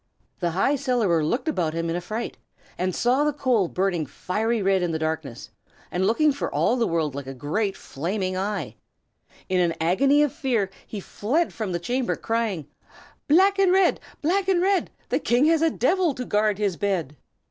The High Cellarer looked about him in affright, and saw the coal burning fiery red in the darkness, and looking for all the world like a great flaming eye. In an agony of fear he fled from the chamber, crying, "Black and red! black and red! The King has a devil to guard his bed."